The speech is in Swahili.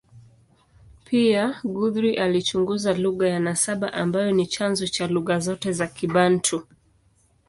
Pia, Guthrie alichunguza lugha ya nasaba ambayo ni chanzo cha lugha zote za Kibantu.